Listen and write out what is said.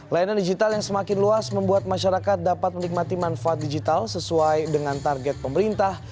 layanan digital yang semakin luas membuat masyarakat dapat menikmati manfaat digital sesuai dengan target pemerintah